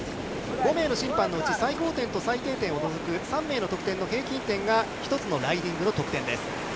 ５名の審判のうち最高点と最低点を除く３名の平均点の１つのライディングの得点です。